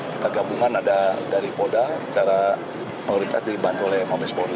kita gabungan ada dari polda secara mayoritas dibantu oleh mabes polri